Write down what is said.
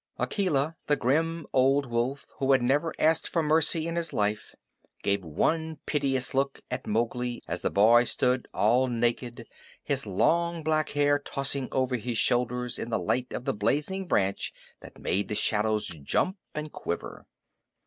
Akela, the grim old wolf who had never asked for mercy in his life, gave one piteous look at Mowgli as the boy stood all naked, his long black hair tossing over his shoulders in the light of the blazing branch that made the shadows jump and quiver.